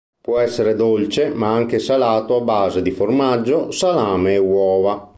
Può essere dolce, ma anche salato a base di formaggio, salame e uova.